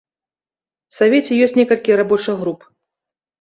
Савеце ёсць некалькі рабочых груп.